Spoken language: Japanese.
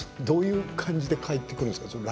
どういう感じで返ってくるんですか？